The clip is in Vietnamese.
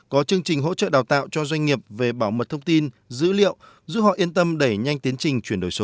có chương trình hỗ trợ đào tạo cho doanh nghiệp về bảo mật thông tin dữ liệu giúp họ yên tâm đẩy nhanh tiến trình chuyển đổi số